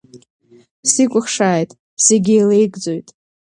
Сикәыхшааит, зегьы еилеигӡоит.